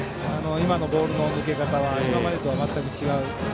今のボールの抜け方は今までと全く違う。